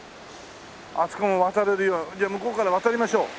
あそこに渡れるようにじゃあ向こうから渡りましょう。